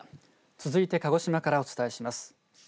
続いて鹿児島からお伝えします。